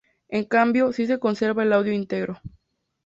En cambio, sí se conserva el audio íntegro.